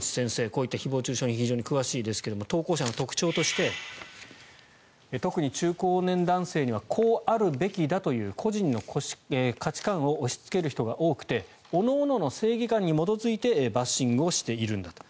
こういった誹謗・中傷に非常に詳しいですが投稿者の特徴として特に中高年男性にはこうあるべきだという個人の価値観を押しつける人が多くておのおのの正義感に基づいてバッシングをしているんだと。